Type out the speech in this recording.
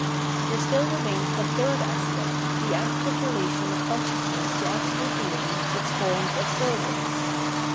There stiU remaius the third aspect, the active re lation of consciousness to Absolute Being, its forms of service.